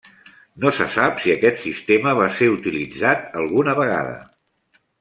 No se sap si aquest sistema va ser utilitzat alguna vegada.